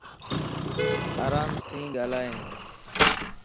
آرام سين ڳالھائين